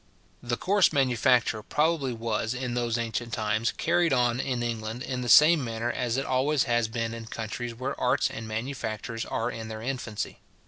The coarse manufacture probably was, in those ancient times, carried on in England in the same manner as it always has been in countries where arts and manufactures are in their infancy.